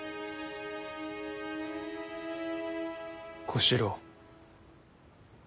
小四郎。